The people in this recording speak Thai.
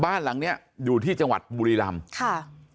บ้านหลังเนี้ยอยู่ที่จังหวัดบุรีรำค่ะ